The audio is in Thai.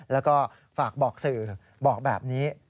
แล้วก็ฝากบอกสื่อบอกแบบนี้